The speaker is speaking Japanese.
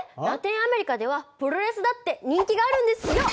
ラテンアメリカではプロレスだって人気があるんですよ。